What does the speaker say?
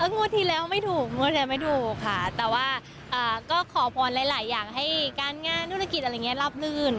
งวดที่แล้วไม่ถูกงวดแล้วไม่ถูกค่ะแต่ว่าก็ขอพรหลายอย่างให้การงานธุรกิจอะไรอย่างนี้ราบลื่น